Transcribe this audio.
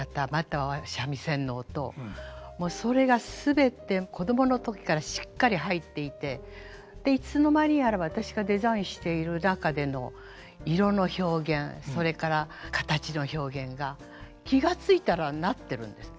もうそれが全て子供の時からしっかり入っていてでいつの間にやら私がデザインしている中での色の表現それから形の表現が気が付いたらなってるんです。